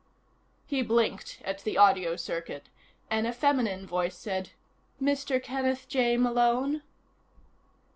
He blinked at the audio circuit, and a feminine voice said: "Mr. Kenneth J. Malone?"